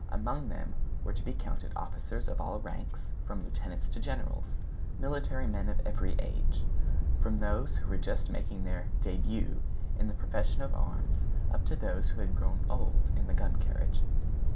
Among them were to be counted officers of all ranks, from lieutenants to generals; military men of every age, from those who were just making their début in the profession of arms up to those who had grown old in the gun carriage.